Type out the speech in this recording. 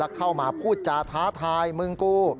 แล้วเข้ามาพูดจาท้าทายเมืองกู้